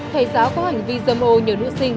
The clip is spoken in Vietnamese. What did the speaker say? thầy giáo có hành vi dâm hồ nhiều nữ sinh